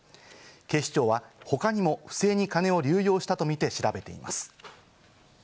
警視庁は他にも不正に金を流用したとみて調べています。